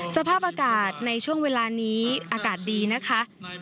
สภาพอากาศในช่วงเวลานี้อากาศดีนะคะ